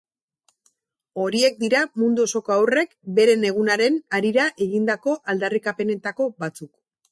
Horiek dira mundu osoko haurrek beren egunaren harira egindako aldarrikapenetako batzuk.